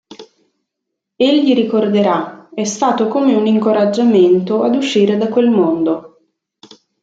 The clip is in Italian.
Egli ricorderà: "È stato come un incoraggiamento ad uscire da quel mondo".